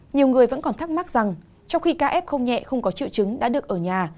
nhiều người vẫn còn thắc mắc rằng trong khi kf nhẹ không có triệu chứng đã được ở nhà